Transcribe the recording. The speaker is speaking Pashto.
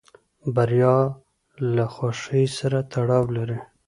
بریا له خوښۍ سره تړاو لري.